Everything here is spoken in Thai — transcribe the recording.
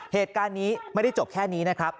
เหตุการณ์นี้ไม่ได้จบแค่นี้นะครับ